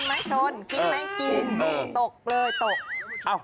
กินมั้ยกินตกเลยตก